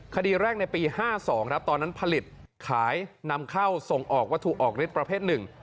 คดีแรกในปี๕๒ครับตอนนั้นผลิตขายนำเข้าส่งออกวัตถุออกฤทธิประเภทหนึ่ง